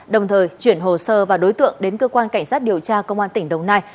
đồng thời chuyển hồ sơ và đối tượng đến cơ quan cảnh sát điều tra công an tỉnh đồng nai